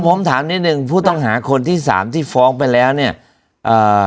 ผมถามนิดหนึ่งผู้ต้องหาคนที่สามที่ฟ้องไปแล้วเนี่ยเอ่อ